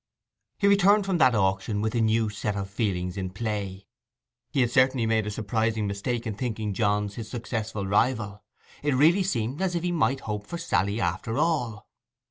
He returned from that auction with a new set of feelings in play. He had certainly made a surprising mistake in thinking Johns his successful rival. It really seemed as if he might hope for Sally after all.